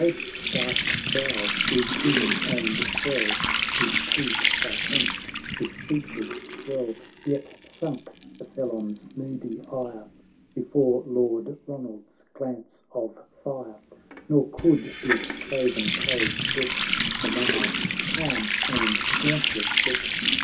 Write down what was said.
C01 Their host's dark brow grew keen and fell, His teeth are clenched, his features swell ; Yet sunk the felon's moody ire Before Lord Eoland's glance of fire, Nor could his craven courage brook The Monarch's calm and dauntless look.